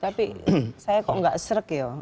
tapi saya kok enggak esrek ya